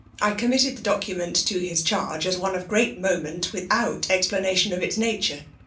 I committed the document to his charge as one of great moment, without explanation of its nature.